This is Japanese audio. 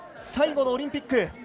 最後のオリンピック。